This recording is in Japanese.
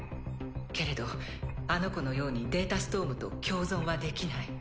けれどあの子のようにデータストームと共存はできない。